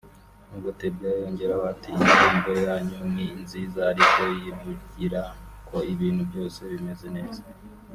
Mu gutebya yongeraho ati “Indirimbo yanyu ni nziza ariko yivugira ko ibintu byose bimeze neza